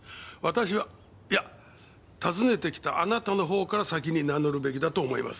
私はいや訪ねてきたあなたのほうから先に名乗るべきだと思います。